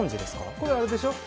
これあれでしょ？